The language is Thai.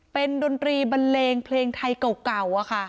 เป็นดนตรีบันเลงเพลงไทยเก่าอะค่ะ